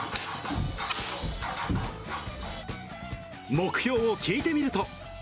目標を聞いてみると。